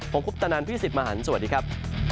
ผมคุปตะนันพี่สิทธิ์มหันฯสวัสดีครับ